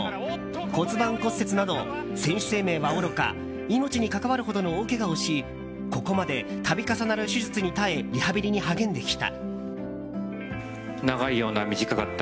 骨盤骨折など選手生命はおろか命に関わるほどの大けがをしここまで、度重なる手術に耐えリハビリに励んできた。